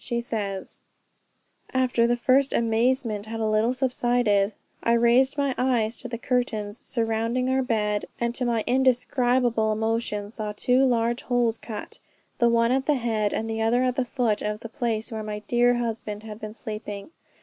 She says, "After the first amazement had a little subsided, I raised my eyes to the curtains surrounding our bed, and to my indescribable emotion saw two large holes cut, the one at the head, and the other at the foot of the place where my dear husband had been sleeping.